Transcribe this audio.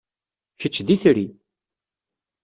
Kečč d itri.